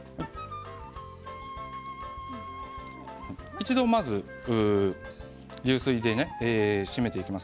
一度まず流水で締めていきます。